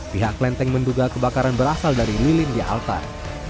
pihak klenteng menduga kebakaran berasal dari lilin di altar